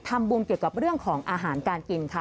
ทำบุญเกี่ยวกับเรื่องของอาหารการกินค่ะ